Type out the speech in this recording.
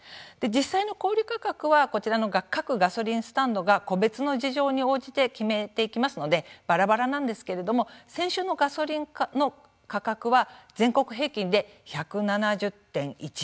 実際の小売価格は各ガソリンスタンドが個別の事情に応じて決めていきますのでばらばらなんですけれども先週のガソリンの価格は全国平均で１７０．１円。